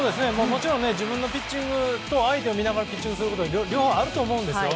もちろん自分のピッチングと相手を見てのピッチング方あると思うんですよ。